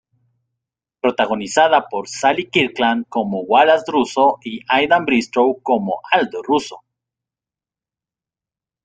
Protagonizada por Sally Kirkland como Wallace Russo y Aidan Bristow como Aldo Russo.